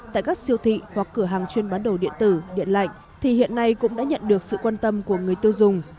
tại các siêu thị hoặc cửa hàng chuyên bán đồ điện tử điện lạnh thì hiện nay cũng đã nhận được sự quan tâm của người tiêu dùng